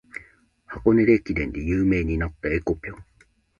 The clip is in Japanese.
箱根駅伝で有名になった「えこぴょん」